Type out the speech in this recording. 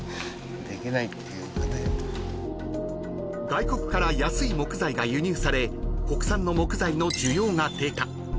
［外国から安い木材が輸入され国産の木材の需要が低下］